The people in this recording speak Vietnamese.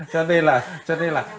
cho nên là